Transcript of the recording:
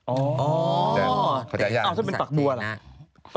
อ้าวจะเป็นตักตัวเหรอ